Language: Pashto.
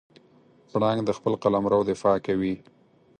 پړانګ د خپل قلمرو دفاع کوي.